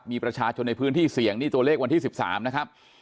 มีประชาชนในพื้นที่เสี่ยงนี่ตัวเลขวันที่๑๓นะครับ